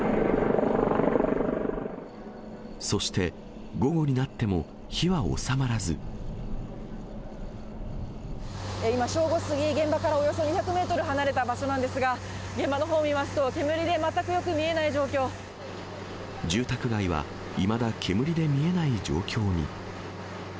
そして、今、正午過ぎ、現場からおよそ２００メートル離れた場所なんですが、現場のほう見ますと、住宅街はいまだ、煙で見えない状況に。